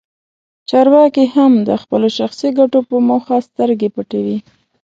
چارواکي هم د خپلو شخصي ګټو په موخه سترګې پټوي.